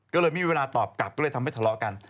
ก็เลยไม่มีเวลาตอบกลับก็เลยทำให้ทะเลาะกัน